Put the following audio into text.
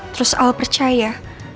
terus al percaya